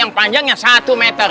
yang panjangnya satu meter